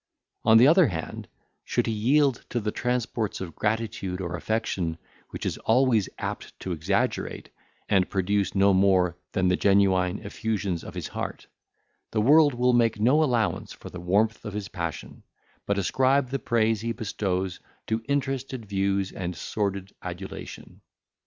On the other hand, should he yield to the transports of gratitude or affection, which is always apt to exaggerate, and produce no more than the genuine effusions of his heart, the world will make no allowance for the warmth of his passion, but ascribe the praise he bestows to interested views and sordid adulation.